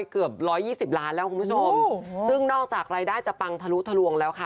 เกือบร้อยยี่สิบล้านแล้วคุณผู้ชมซึ่งนอกจากรายได้จะปังทะลุทะลวงแล้วค่ะ